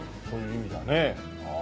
そういう意味ではね。